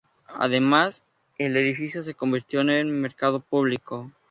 Además, el edificio se convirtió en mercado público.